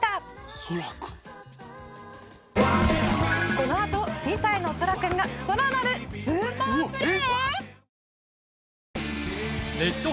「このあと２歳のそらくんがさらなるスーパープレー！？」